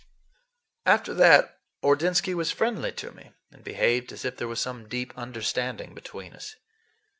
After that Ordinsky was friendly to me, and behaved as if there were some deep understanding between us.